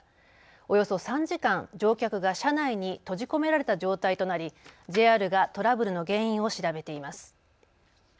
およそ３時間、乗客が車内に閉じ込められた状態となりＪＲがトラブルの原因を調べています。